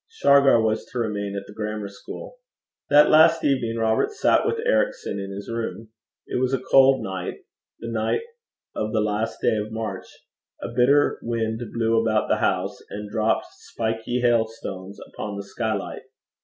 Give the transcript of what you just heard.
Shargar was to remain at the grammar school. That last evening Robert sat with Ericson in his room. It was a cold night the night of the last day of March. A bitter wind blew about the house, and dropped spiky hailstones upon the skylight.